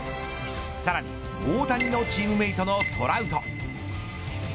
さらに大谷のチームメイトのトラウト。